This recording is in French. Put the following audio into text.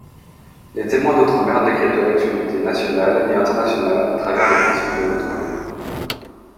Les témoins d'outre-mer décrypte l'actualité nationale et internationale à travers le prisme de l'outre-mer.